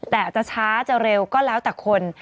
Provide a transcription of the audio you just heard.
แต่จะช้าจะเร็วก็แล้วแต่คน